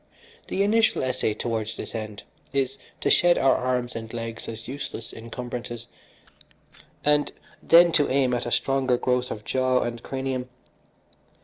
The initial essay towards this end is to shed our arms and legs as useless incumbrances, and then to aim at a stronger growth of jaw and cranium.